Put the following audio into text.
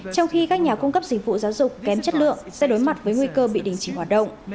trong khi các nhà cung cấp dịch vụ giáo dục kém chất lượng sẽ đối mặt với nguy cơ bị đình chỉ hoạt động